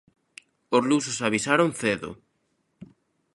Os lusos avisaron cedo.